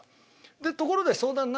で「ところで相談何？」